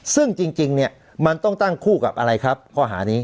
ซึ่งจริงเนี่ยมันต้องตั้งคู่กับอะไรครับข้อหานี้